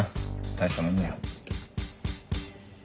大したもんだよ。